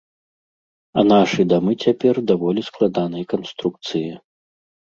А нашы дамы цяпер даволі складанай канструкцыі.